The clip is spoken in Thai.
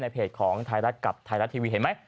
เพจของไทยรัฐกับไทยรัฐทีวีเห็นไหม